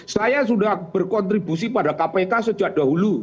saya sudah berkontribusi pada kpk sejak dahulu